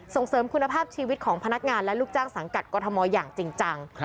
ส่งเสริมคุณภาพชีวิตของพนักงานและลูกจ้างสังกัดกรทมอย่างจริงจัง